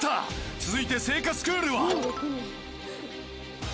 続いて製菓スクールは？